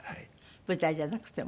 舞台じゃなくても。